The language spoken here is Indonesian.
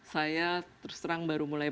saya terserang baru mulai